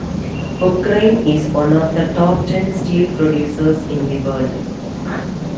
Ukraine is one of the top ten steel producers in the world.